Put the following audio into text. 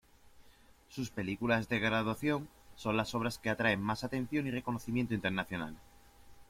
Sus películas de graduación son las obras que atraen más atención y reconocimiento internacional.